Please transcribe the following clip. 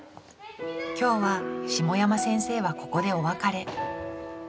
今日は下山先生はここでお別れ。